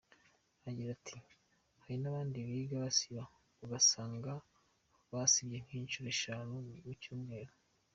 Agira ati “Hari n’abandi biga basiba, ugasanga basibye nk’inshuro eshatu mu cyumweru.